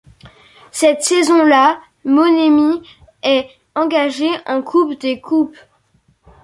Cette saison-là, Moneni est engagé en Coupe des Coupes.